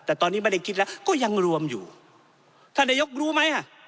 แต่ตอนนี้ไม่ได้คิดแล้วก็ยังรวมอยู่ท่านนายกรู้ไหมอ่ะ